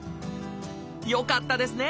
よかったですね！